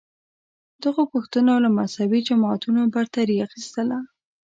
دغو پوښتنو له مذهبې جماعتونو برتري اخیستله